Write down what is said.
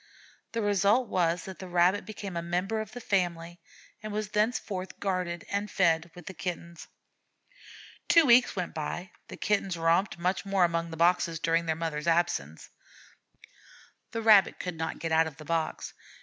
The result was that the Rabbit became a member of the family, and was thenceforth guarded and fed with the Kittens. Two weeks went by. The Kittens romped much among the boxes during their mother's absence. The Rabbit could not get out of the box.